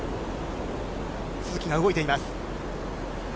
都筑が動いています。